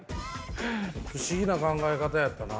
不思議な考え方やったな。